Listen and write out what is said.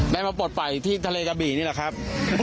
ได้มาปลดป่ายที่ทะเลกระบีนี่หรือครับ